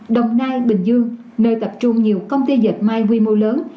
đồng nai bình dương nơi tập trung nhiều công ty dệt may quy mô lớn